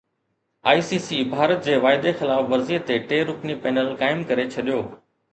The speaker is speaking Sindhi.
آءِ سي سي ڀارت جي واعدي خلاف ورزي تي ٽي رڪني پينل قائم ڪري ڇڏيو